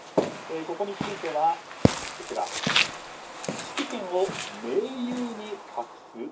ここについては指揮権を盟友に託す？